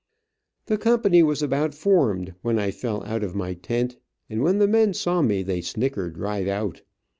The company was about formed when I fell out of my tent, and when the men saw me they snickered right out.